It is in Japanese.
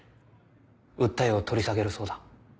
訴えを取り下げるそうだ。